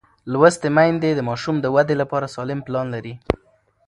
لوستې میندې د ماشوم د وده لپاره سالم پلان لري.